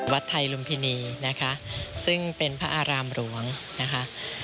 วัดไทยลุมพินีนะคะซึ่งเป็นพระอารามหลวงนะคะ